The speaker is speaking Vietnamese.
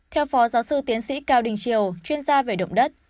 theo phó giáo sư tiến sĩ cao đình triều chuyên gia về động đất